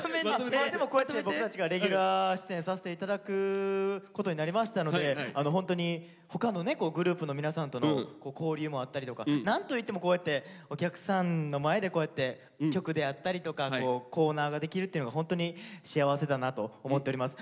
まあでもこうやって僕たちがレギュラー出演させて頂くことになりましたのでホントに他のグループの皆さんとの交流もあったりとかなんといってもこうやってお客さんの前でこうやって曲であったりとかコーナーができるっていうのがホントに幸せだなと思っております。